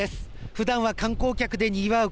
普段は観光客でにぎわう